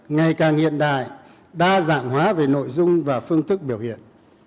ngày càng hiện đại đa dạng hóa về nội dung và phương thức biểu hiện